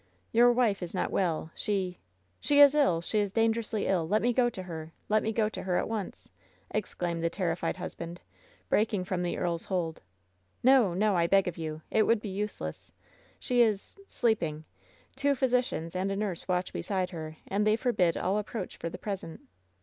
"Your wife is not well. She^ " "She is ill ! She is dangerously ill ! Let me go to herl Let me go to her at once!" exclaimed the terrified hus band, breaking from the earl's hold. "No, no, I beg of you ! It would be* useless ! She is — sleeping ! Two physicians and a nurse watch beside her, and they forbid all approach for the present.